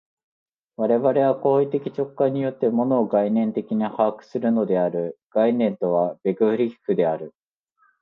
我々は行為的直観によって、物を概念的に把握するのである（概念とはベグリッフである）。